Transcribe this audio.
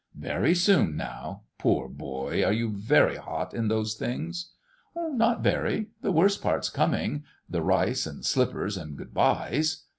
"Very soon now—poor boy, are you very hot in those things?" "Not very. The worst part's coming—the rice and slippers and good byes.